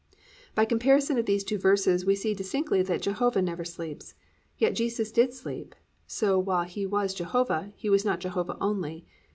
"+ By comparison of these two verses, we see distinctly that Jehovah never sleeps. Yet Jesus did sleep, so while He was Jehovah, He was not Jehovah only.